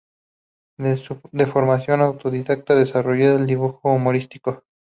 De formación autodidacta, desarrolla el dibujo humorístico.